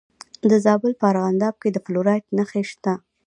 د زابل په ارغنداب کې د فلورایټ نښې شته.